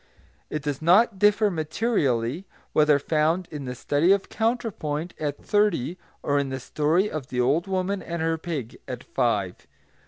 It does not differ materially, whether found in the study of counterpoint, at thirty, or in the story of the old woman and her pig, at five.